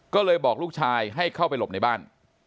ก็เลยบอกลูกชายให้เข้าไปหลบในบ้าน